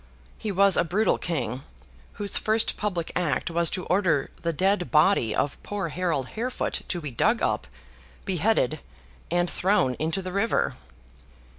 He was a brutal King, whose first public act was to order the dead body of poor Harold Harefoot to be dug up, beheaded, and thrown into the river.